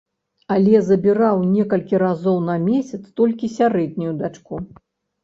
Але забіраў некалькі разоў на месяц толькі сярэднюю дачку.